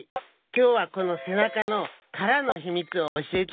きょうはこのせなかのからのひみつをおしえちゃうよ。